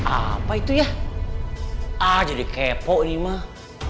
apa itu ya aja dikepok nih mah